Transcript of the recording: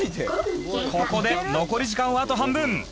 「ここで残り時間はあと半分」